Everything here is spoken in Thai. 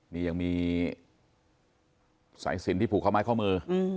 มีสายสินผูกเข้ามเสียวิวค้อมือ